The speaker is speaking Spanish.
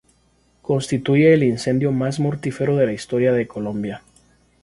Constituye el incendio más mortífero de la historia de Colombia.